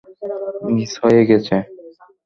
Miss হয়ে গেছে।